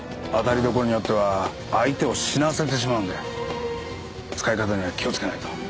当たり所によっては相手を死なせてしまうんで使い方には気をつけないと。